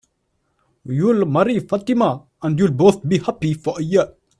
You'll marry Fatima, and you'll both be happy for a year.